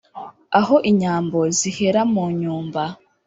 aho inyambo zihera mu nyumba